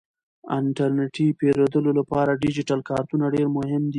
د انټرنیټي پیرودلو لپاره ډیجیټل کارتونه ډیر مهم دي.